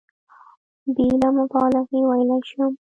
بېله مبالغې ویلای شم.